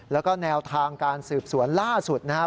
แล้วก็แนวทางการสืบสวนล่าสุดนะครับ